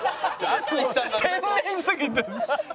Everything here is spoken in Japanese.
天然すぎてさ。